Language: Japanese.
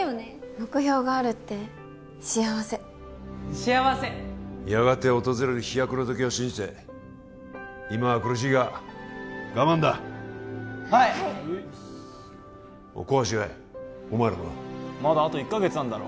目標があるって幸せ幸せやがて訪れる飛躍の時を信じて今は苦しいが我慢だはい小橋岩井お前らもなまだあと１カ月あんだろ？